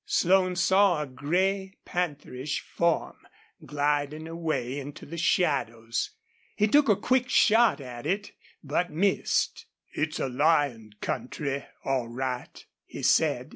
Slone saw a gray, pantherish form gliding away into the shadows. He took a quick shot at it, but missed. "It's a lion country, all right," he said.